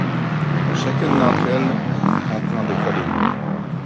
Chacune d'entre elles comprend des collines.